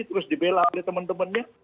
terus dibela oleh teman temannya